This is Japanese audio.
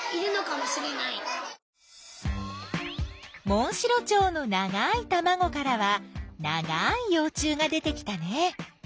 モンシロチョウのながいたまごからはながいよう虫が出てきたね。